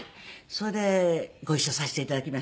それでご一緒させて頂きまして。